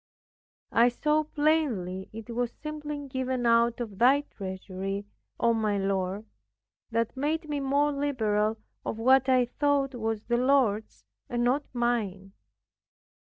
I saw plainly it was simply given out of Thy treasury, O my Lord, that made me more liberal of what I thought was the Lord's, and not mine.